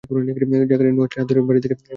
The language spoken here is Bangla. জাকারিয়া নুহাশের হাত ধরে বাড়ির দিকে এগুচ্ছেন।